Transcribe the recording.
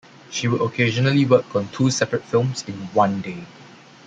She would occasionally work on two separate films in one day.